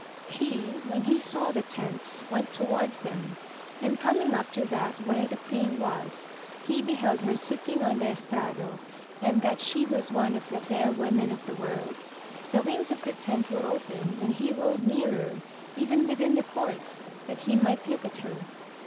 He, when he saw the tents, went towards them, and coming up to that where the queen was, he beheld her sitting on the es trado, and that she was one of the fair women of the world ; the wings of the tent were open, and he rode nearer, even within the cords, that he might look at her.